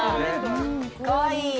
かわいい！